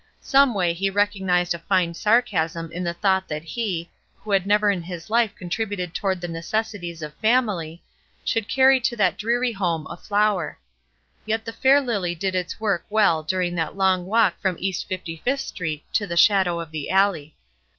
Someway he recognized a fine sarcasm in the thought that he, who had never in his life contributed towards the necessities of the family, should carry to that dreary home a flower! Yet the fair lily did its work well during that long walk from East Fifty fifth Street to the shadow of the alley.